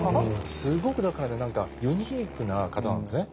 すごくだからね何かユニークな方なんですね。